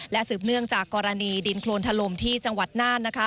และสืบเนื่องจากกรณีดินโครนทะลมที่จังหวัดน่าน